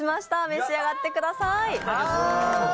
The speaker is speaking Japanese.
召し上がってください。